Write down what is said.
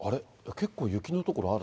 結構雪の所ある？